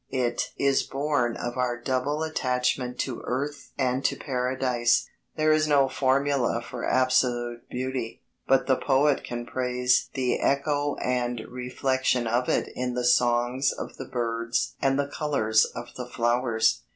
It is born of our double attachment to Earth and to Paradise. There is no formula for absolute beauty, but the poet can praise the echo and reflection of it in the songs of the birds and the colours of the flowers.